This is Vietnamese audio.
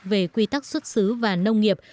về quy tắc xuất xứ và nông nghiệp